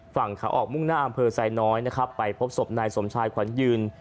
ฝั่งขาออกมุ่งหน้าอำเภอไซน้อยนะครับไปพบศพนายสมชายขวัญยืน